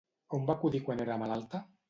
On va acudir quan era malalta?